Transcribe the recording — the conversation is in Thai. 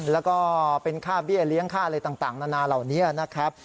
แล้วก็เป็นค่าเบี้ยเลี้ยงค่าอะไรต่างนานาเหล่านี้นะครับ